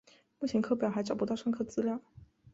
目前课表还找不到上课资料